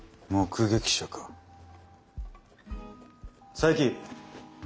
佐伯。